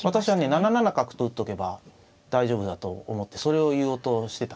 ７七角と打っとけば大丈夫だと思ってそれを言おうとしてたんですけれど。